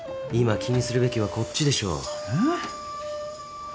今気にするべきはこっちでしょ。